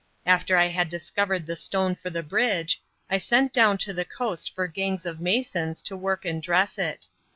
After I had discovered the stone for the bridge, I sent down to the coast for gangs of masons to work and dress it.